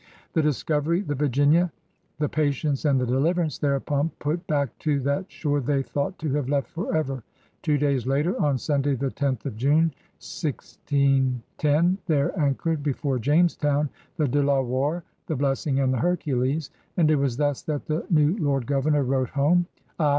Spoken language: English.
The Discovery, the Virginia, the Patience, ajid the Deliverance thereupon put back to that shore they thought to have left forever. Two days later, on Sunday the 10th of Jime, 1610, there anchored before Jamestown the De La Warr, the Blessing, and the Hercules; and it was thus that the new Lord Governor wrote home: "I